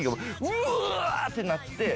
うわ！ってなって。